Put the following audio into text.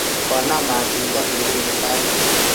Konam mat tumdo kepele mbaret